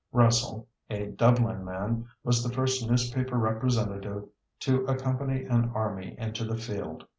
Russell, a Dublin man, was the first newspaper representative to accompany an army into the field.